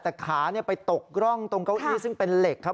แต่ขาไปตกร่องตรงเก้าอี้ซึ่งเป็นเหล็กครับ